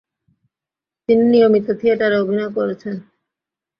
তিনি নিয়মিত থিয়েটারে অভিনয় করেছেন।